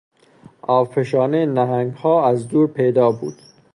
آبفشانهی نهنگها از دور پیدا بود.